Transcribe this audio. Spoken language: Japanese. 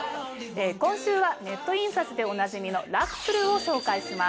今週はネット印刷でおなじみのラクスルを紹介します。